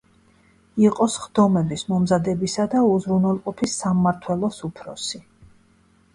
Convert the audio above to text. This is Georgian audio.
იყო სხდომების მომზადებისა და უზრუნველყოფის სამმართველოს უფროსი.